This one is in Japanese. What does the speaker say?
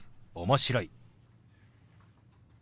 「面白い」。